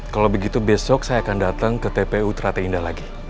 kalau begitu besok saya akan datang ke tpu trate indah lagi